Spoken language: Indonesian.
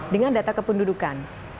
dengan data kependudukan